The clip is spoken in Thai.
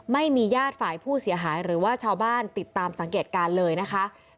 ไม่มีญาติฝ่ายผู้เสียหายหรือว่าชาวบ้านติดตามสังเกตการณ์เลยนะคะ